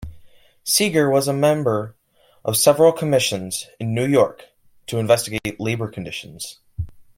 Seager was a member of several commissions in New York to investigate labor conditions.